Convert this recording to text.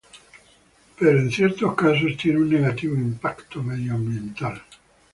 Pero en ciertos casos tiene un negativo impacto medioambiental.